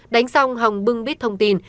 đánh xong hồng bưng bít thông tin